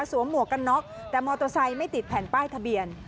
หมวกกันน็อกแต่มอเตอร์ไซค์ไม่ติดแผ่นป้ายทะเบียน